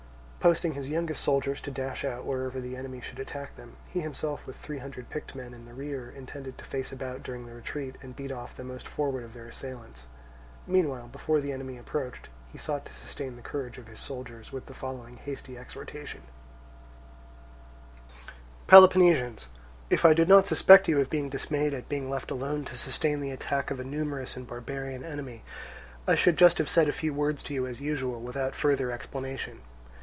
Posting his youngest soldiers to dash out wherever the enemy should attack them, he himself with three hundred picked men in the rear intended to face about during the retreat and beat off the most forward of their assailants, Meanwhile, before the enemy approached, he sought to sustain the courage of his soldiers with the following hasty exhortation: "Peloponnesians, if I did not suspect you of being dismayed at being left alone to sustain the attack of a numerous and barbarian enemy, I should just have said a few words to you as usual without further explanation.